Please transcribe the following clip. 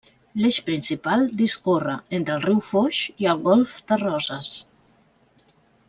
L'eix principal discorre entre el riu Foix i el golf de Roses.